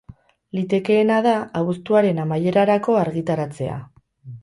Litekeena da abuztuaren amaierarako argitaratzea.